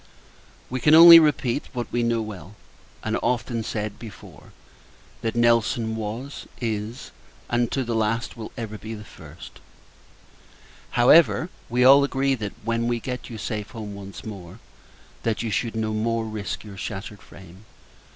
We can only repeat what we knew well, and often said, before that Nelson was, is, and to the last will ever be, the first. However, we all agree that, when we get you safe home once more that you should never more risk your shattered frame.